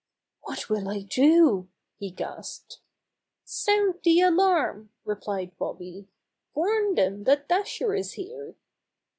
"What will I do?" he gasped. "Sound the alarm!" replied Bobby. "Warn them that Dasher is here!"